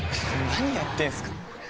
何やってんすか。